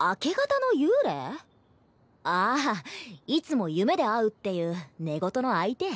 ああいつも夢で会うっていう寝言の相手？